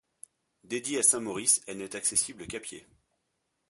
Dédiée à saint Maurice, elle n’est accessible qu’à pied.